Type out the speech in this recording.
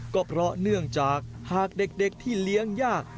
ก็เพราะเนื่องจากหากเด็กที่เลี้ยงยาก